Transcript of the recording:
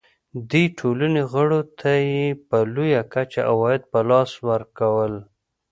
دې ټولنو غړو ته یې په لویه کچه عواید په لاس ورکول.